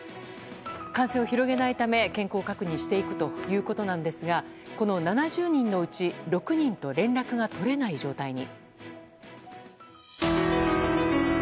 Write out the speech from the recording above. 感染を広げないため健康確認していくということなんですがこの７０人のうち６人と連絡が取れない状態に。